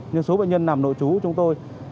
nhưng số bệnh nhân nằm nội trú của chúng tôi